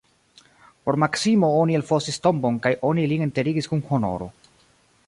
Por Maksimo oni elfosis tombon kaj oni lin enterigis kun honoro.